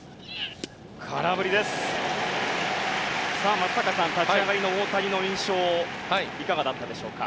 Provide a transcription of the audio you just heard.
松坂さん、立ち上がりの大谷の印象はいかがですか？